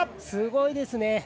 すごいですね。